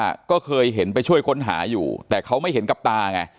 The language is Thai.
ว่าก็เคยเห็นไปช่วยค้นหาอยู่แต่เขาไม่เห็นกับตาไง